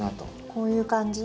こういう感じ？